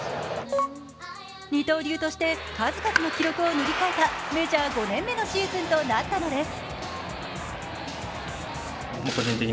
二刀流として数々の記録を塗り替えたメジャー５年目のシーズンとなったのです。